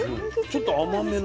ちょっと甘めな。